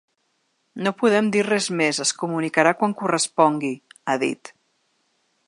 “No podem dir res més, es comunicarà quan correspongui”, ha dit.